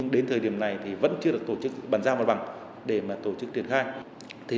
đến thời điểm này thì vẫn chưa được tổ chức bàn giao mặt bằng để tổ chức triển khai